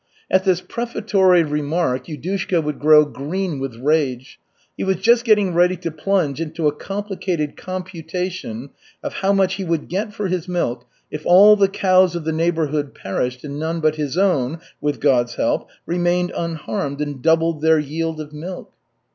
At this prefatory remark Yudushka would grow green with rage. He was just getting ready to plunge into a complicated computation of how much he would get for his milk if all the cows of the neighborhood perished and none but his own, with God's help, remained unharmed and doubled their yield of milk.